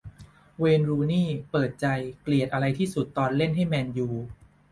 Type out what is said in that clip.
เวย์น รูนี่ย์ เปิดใจ เกลียดอะไรที่สุดตอนเล่นให้ แมนยู